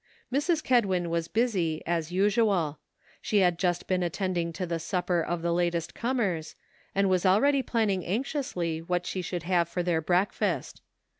Mrs. Kedwin was busy, as usual. She had just been attending to the supper of the latest comers, and was already planning anxiously what she should have for their breakfast.